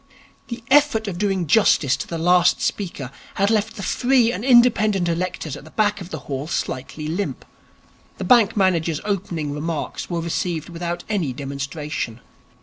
The effort of doing justice to the last speaker had left the free and independent electors at the back of the hall slightly limp. The bank manager's opening remarks were received without any demonstration.